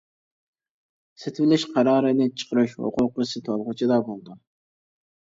سېتىۋېلىش قارارىنى چىقىرىش ھوقۇقى سېتىۋالغۇچىدا بولىدۇ.